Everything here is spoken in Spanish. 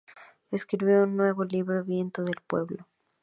Escribió un nuevo libro: "Viento del pueblo".